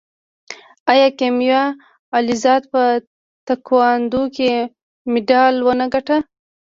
آیا کیمیا علیزاده په تکواندو کې مډال ونه ګټه؟